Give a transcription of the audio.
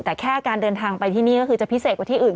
แต่แค่การเดินทางไปที่นี่ก็คือจะพิเศษกว่าที่อื่น